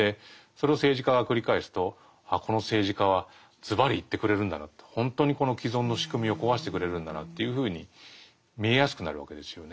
それを政治家が繰り返すとあこの政治家はずばり言ってくれるんだなとほんとにこの既存の仕組みを壊してくれるんだなというふうに見えやすくなるわけですよね。